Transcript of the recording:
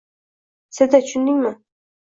Seda, tushundingmi?